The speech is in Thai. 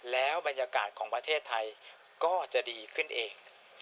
แล้วบรรยากาศของประเทศไทยก็จะดีขึ้นเอง